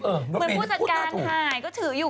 เหมือนผู้จัดการถ่ายก็ถืออยู่